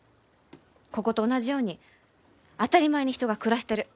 ここと同じように当たり前に人が暮らしてる。